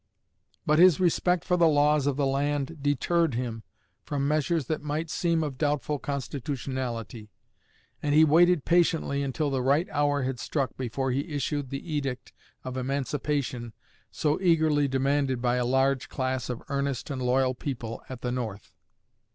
_" But his respect for the laws of the land deterred him from measures that might seem of doubtful constitutionality, and he waited patiently until the right hour had struck before he issued the edict of emancipation so eagerly demanded by a large class of earnest and loyal people at the North.